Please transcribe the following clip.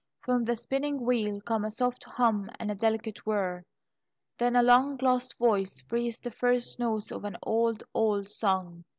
From the spinning wheel come a soft hum and a delicate whir; then a long lost voice breathes the first notes of an old, old song.